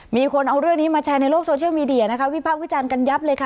มีคนเอาเรื่องนี้มาแชร์ในโลกโซเชียลมีเดียนะคะวิพากษ์วิจารณ์กันยับเลยค่ะ